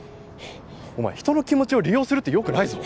お前人の気持ちを利用するってよくないぞ！